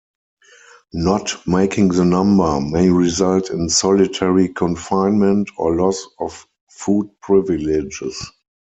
Not making the number may result in solitary confinement or loss of food privileges.